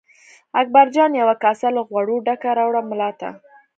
اکبرجان یوه کاسه له غوړو ډکه راوړه ملا ته.